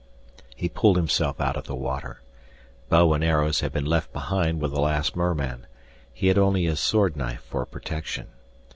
He pulled himself out of the water. Bow and arrows had been left behind with the last merman; he had only his sword knife for protection.